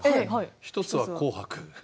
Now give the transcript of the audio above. １つは「紅白」